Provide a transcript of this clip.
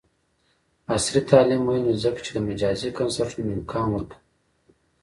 عصري تعلیم مهم دی ځکه چې د مجازی کنسرټونو امکان ورکوي.